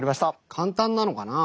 簡単なのかな。